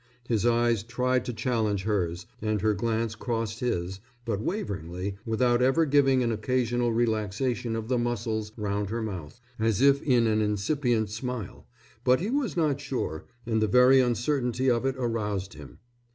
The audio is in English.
His eyes tried to challenge hers, and her glance crossed his, but waveringly without ever giving an occasional relaxation of the muscles round her mouth, as if in an incipient smile, but he was not sure, and the very uncertainty of it aroused him.